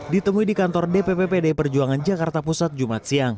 ditemui di kantor dpppd perjuangan jakarta pusat jumat siang